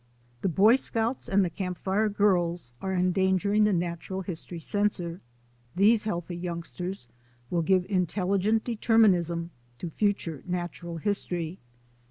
The Boy Scouts and the Campfire Girls are endangering the natural history censor. These healthy youngsters will give intelligent deter CENSORED NATURAL HISTORY NEWS 219 minism to future natural history.